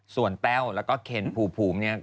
ส่วนแต้วแล้วก็เคนภูมิเนี่ย